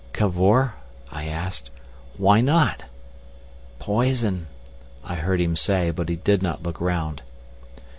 "Cavor," I asked, "why not?" "Poison," I heard him say, but he did not look round.